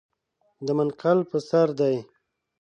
د منقل پر سر دی .